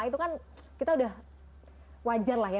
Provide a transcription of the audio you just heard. itu kan kita udah wajar lah ya